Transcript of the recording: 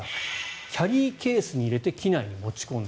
キャリーケースに入れて機内に持ち込んだ。